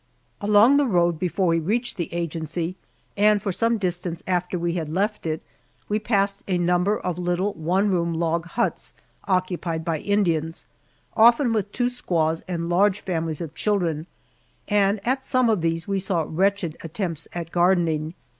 Along the road before we reached the agency, and for some distance after we had left it, we passed a number of little one room log huts occupied by Indians, often with two squaws and large families of children; and at some of these we saw wretched attempts at gardening.